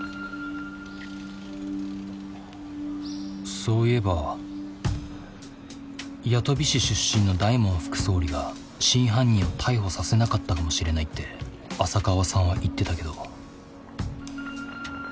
そういえば八飛市出身の大門副総理が真犯人を逮捕させなかったかもしれないって浅川さんは言ってたけど。